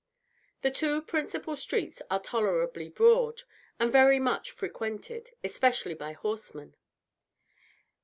The two principal streets are tolerably broad, and very much frequented, especially by horsemen.